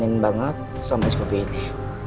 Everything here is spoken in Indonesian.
aku pengen banget sama es kopi ini